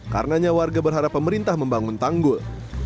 karenanya warga berharap pemerintah membangun tanggul